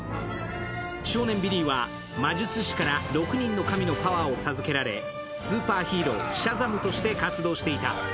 少年ビリーは魔術師から６人の神のパワーを授けられ、スーパーヒーロー・シャザムとして活動していた。